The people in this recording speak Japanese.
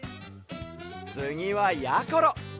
つぎはやころ！